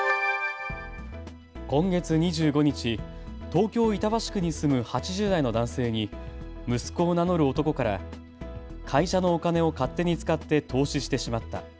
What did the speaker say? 今月２５日、東京板橋区に住む８０代の男性に息子を名乗る男から会社のお金を勝手に使って投資してしまった。